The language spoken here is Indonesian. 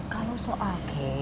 kalau soal kei